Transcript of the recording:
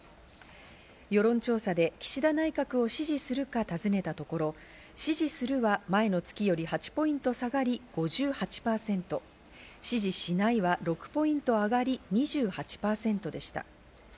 世論調査で岸田内閣を支持するか尋ねたところ、支持するは前の月より８ポイント下がり５８％、支持しないは６ポイント上がり２８％でした。